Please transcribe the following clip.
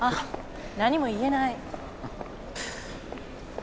何も言えない。